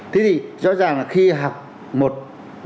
thế thì rõ ràng là khi học một buổi một ngày